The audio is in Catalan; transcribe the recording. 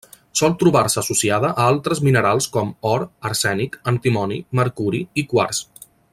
Sol trobar-se associada a altres minerals com: or, arsènic, antimoni, mercuri i quars.